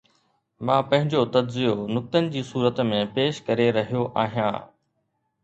مان پنهنجو تجزيو نقطن جي صورت ۾ پيش ڪري رهيو آهيان.